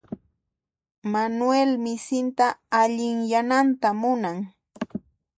Manuel misinta allinyananta munan.